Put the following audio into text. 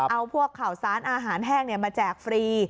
เอาพวกข่าวซ้านอาหารแห้งเนี่ยมาแจกฟรี